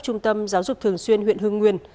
trung tâm giáo dục thường xuyên huyện hưng nguyên